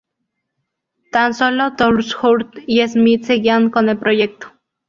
Tan solo Tolhurst y Smith seguían con el proyecto.